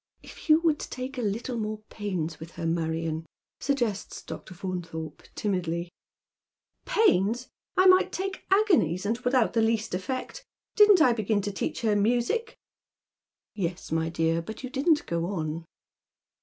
"If you would take a little more pains with her, Marion," suggests Dr. Faunthorpe, timidly " Pains ! I might take agonies, and without the least effect. Didn't I begin to teach her music "" Yes, my dear, but you didn't go on."